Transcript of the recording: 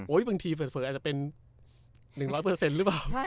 บางทีเฝออาจจะเป็น๑๐๐หรือเปล่า